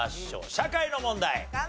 社会の問題。